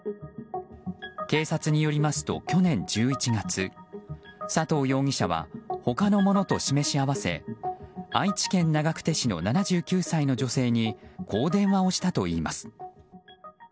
警察によりますと去年１１月佐藤容疑者は他の者と示し合わせ愛知県長久手市の７９歳の女性にこう電話をしたといいます。